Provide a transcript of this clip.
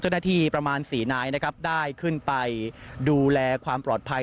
เจ้าหน้าที่ประมาณ๔นายนะครับได้ขึ้นไปดูแลความปลอดภัย